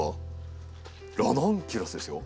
ラナンキュラスですよ。